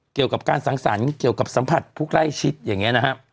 เกี่ยวกับการสังสรรค์เกี่ยวกับสัมผัสผู้ใกล้ชิดอย่างนี้นะครับ